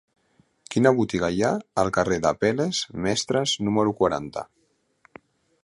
Quina botiga hi ha al carrer d'Apel·les Mestres número quaranta?